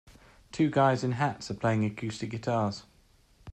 Two guys in hats are playing acoustic guitars.